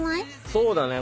そうだね。